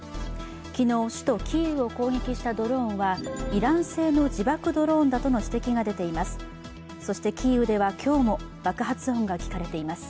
昨日、首都キーウを攻撃したドローンはイラン製の自爆ドローンだとの指摘が出ています。